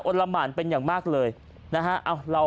ละหมานเป็นอย่างมากเลยนะฮะ